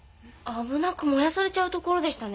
危なく燃やされちゃうところでしたね。